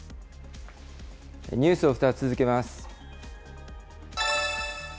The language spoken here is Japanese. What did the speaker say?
ニュースを２つ続けます。